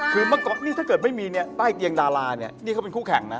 คือเมื่อก่อนนี่ถ้าเกิดไม่มีเนี่ยใต้เตียงดาราเนี่ยนี่เขาเป็นคู่แข่งนะ